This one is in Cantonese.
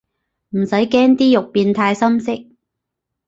唔使驚啲肉變太深色